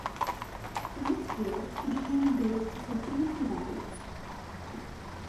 The next year, he became engaged to Sophia Peabody.